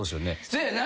せやな。